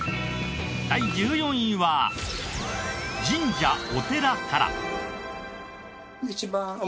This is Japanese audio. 第１４位は神社・お寺から。